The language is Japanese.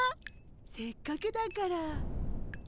せっかくだから。